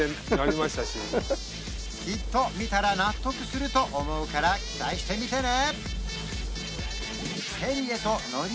きっと見たら納得すると思うから期待して見てね！